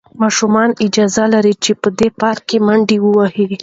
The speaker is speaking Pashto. ماشومان اجازه لري چې په دې پارک کې منډې ووهي.